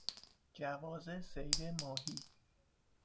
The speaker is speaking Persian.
جواز صید ماهی